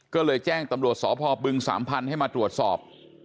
ก็เลยแจ้งตำรวจสพบึงสามพันธุ์ให้มาตรวจสอบ